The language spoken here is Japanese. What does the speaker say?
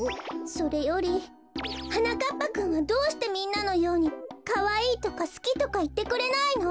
それよりはなかっぱくんはどうしてみんなのように「かわいい」とか「すき」とかいってくれないの？